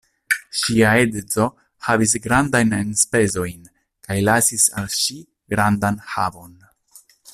Ŝia edzo havis grandajn enspezojn kaj lasis al ŝi grandan havon.